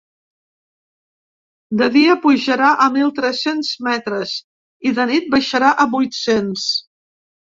De dia pujarà a mil tres-cents metres i de nit baixarà a vuit-cents.